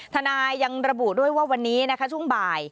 ทนายยังระบุด้วยว่าวันนี้นะคะช่วงบ่าย